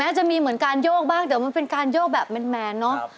จะมีเหมือนการโยกบ้างแต่มันเป็นการโยกแบบแมนเนอะ